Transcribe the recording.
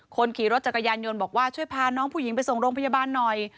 คนขี่รถจักรยานยนต์บอกว่าช่วยพาน้องผู้หญิงไปส่งโรงพยาบาลหน่อย